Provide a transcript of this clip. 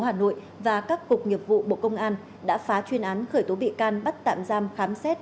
hà nội và các cục nghiệp vụ bộ công an đã phá chuyên án khởi tố bị can bắt tạm giam khám xét